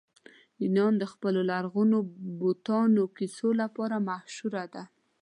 یونان د خپلو لرغونو بتانو کیسو لپاره مشهوره دی.